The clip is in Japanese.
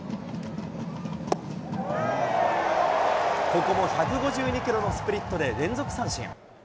ここも１５２キロのスプリットで、連続三振。